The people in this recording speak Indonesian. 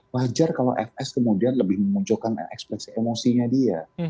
wajar kalau fs kemudian lebih memunculkan ekspresi emosinya dia